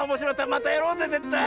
またやろうぜぜったい！